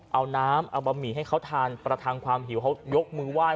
เอาน้ำเอาบะหมี่ให้เขาทานประทังความหิวเขายกมือไหว้